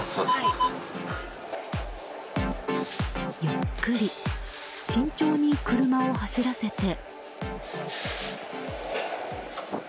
ゆっくり慎重に車を走らせて。